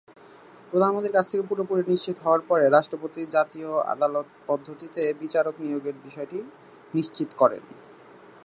প্রধানমন্ত্রীর কাছ থেকে পুরোপুরি নিশ্চিত হওয়ার পরে রাষ্ট্রপতি জাতীয় আদালত পদ্ধতিতে বিচারক নিয়োগের বিষয়টি নিশ্চিত করেন।